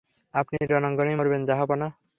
আপনি রণাঙ্গনেই মরবেন, জাহাঁপনা।